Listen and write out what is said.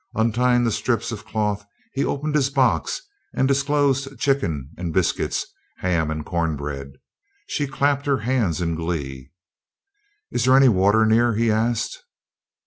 Untying the strips of cloth, he opened his box, and disclosed chicken and biscuits, ham and corn bread. She clapped her hands in glee. "Is there any water near?" he asked.